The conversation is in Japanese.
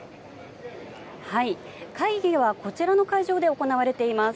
会議はこちらの会場で行われています。